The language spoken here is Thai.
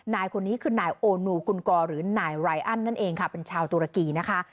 นายคนนี้คือนายโอนูกุลกรหรือนายไรอันนั่นเองค่ะเป็นชาวตุรกีนะคะ